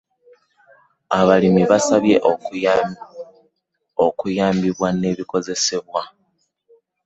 Abalimi basabye okuyambibwa n'ebikozesebwa.